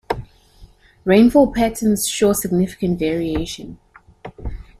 Rainfall patterns show significant variation.